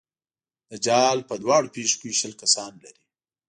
دجال په دواړو پښو کې شل کسان لري.